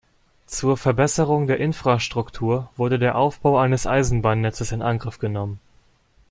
Zur Verbesserung der Infrastruktur wurde der Aufbau eines Eisenbahnnetzes in Angriff genommen.